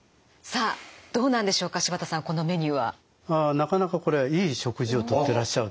なかなかこれはいい食事をとってらっしゃると。